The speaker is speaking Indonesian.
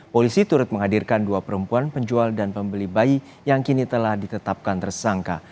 polisi turut menghadirkan dua perempuan penjual dan pembeli bayi yang kini telah ditetapkan tersangka